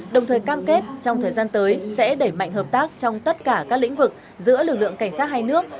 đồng thời cam kết trong thời gian tới sẽ đẩy mạnh hợp tác trong tất cả các lĩnh vực giữa lực lượng cảnh sát hai nước